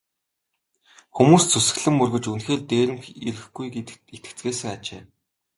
Хүмүүс ч сүсэглэн мөргөж үнэхээр дээрэм ирэхгүй гэдэгт итгэцгээсэн ажээ.